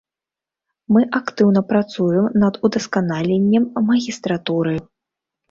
Мы актыўна працуем над удасканаленнем магістратуры.